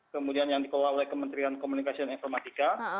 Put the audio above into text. kemudian yang dikelola oleh kementerian komunikasi dan informatika